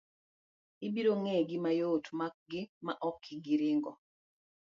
Ibiro ng'egi mayot ma makgi ma ok giringo.